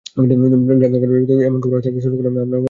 গ্রেপ্তার করা হবে, এমন খবর আসতে শুরু করলে আমরা নিরাপদ জায়গায় গেলাম।